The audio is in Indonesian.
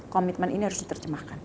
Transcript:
commitment ini harus diterjemahkan